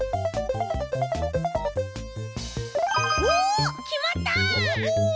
おおきまった！